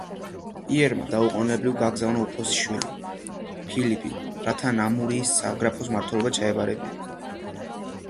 პიერმა დაუყოვნებლივ გააგზავნა უფროსი შვილი ფილიპი რათა ნამიურის საგრაფოს მმართველობა ჩაებარებინა.